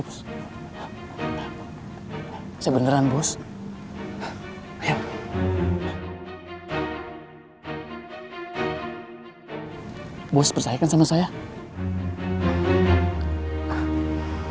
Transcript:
mereka itu anak buah gue